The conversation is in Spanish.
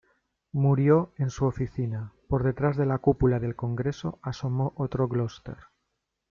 Murió en su oficina. Por detrás de la cúpula del Congreso asomó otro Gloster.